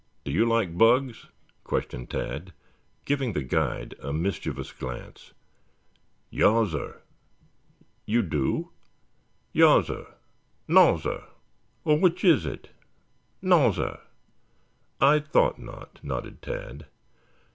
Do you like bugs?" questioned Tad, giving the guide a mischievous glance. "Yassir." "You do?" "Yassir. Nassir." "Well, which is it?" "Nassir." "I thought not," nodded Tad.